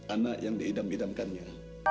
anak yang diidam idamkannya